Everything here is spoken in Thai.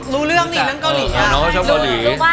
รู้เรื่องนี่เรื่องเกาหลีค่ะ